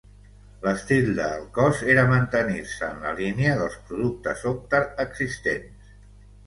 L'estil de el cos era mantenir-se en la línia dels productes Optare existents.